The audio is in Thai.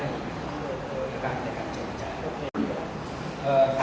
และการกำเนกัดจบต่อจาก